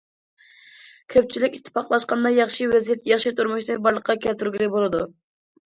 كۆپچىلىك ئىتتىپاقلاشقاندا ياخشى ۋەزىيەت، ياخشى تۇرمۇشنى بارلىققا كەلتۈرگىلى بولىدۇ.